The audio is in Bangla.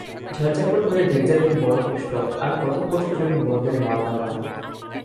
ঝড়-ঝাপট হলেই ডেকযাত্রীর বড় কষ্ট, আর কতক কষ্ট যখন বন্দরে মাল নাবায়।